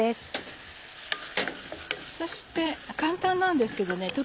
そして簡単なんですけどね